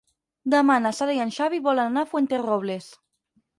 Demà na Sara i en Xavi volen anar a Fuenterrobles.